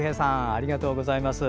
ありがとうございます。